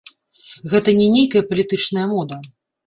Гэта не нейкая палітычная мода.